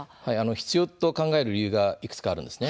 必要と考える理由はいくつかあるんです。